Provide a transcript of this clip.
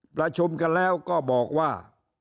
ประชุมกันแล้วก็บอกว่า